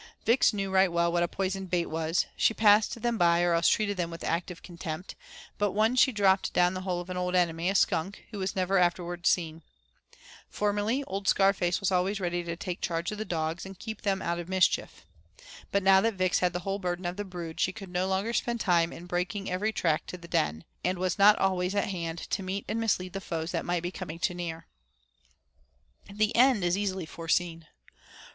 Vix knew right well what a poisoned bait was; she passed them by or else treated them with active contempt, but one she dropped down the hole of an old enemy, a skunk, who was never afterward seen. Formerly old Scarface was always ready to take charge of the dogs, and keep them out of mischief. But now that Vix had the whole burden of the brood, she could no longer spend time in breaking every track to the den, and was not always at hand to meet and mislead the foes that might be coming too near. The end is easily foreseen.